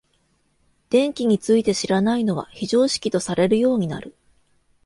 電気について知らないのは非常識とされるようになる。